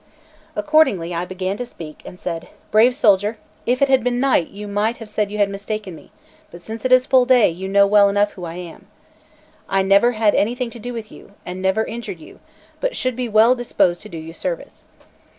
Accordingly, I began to speak and said: "Brave soldier, if it had been night, you might have said you had mistaken me, but since it is full day, you know well enough who I am. I never had anything to do with you, and never injured you, but should be well disposed to do you service."